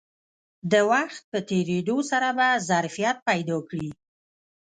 د وخت په تېرېدو سره به ظرفیت پیدا کړي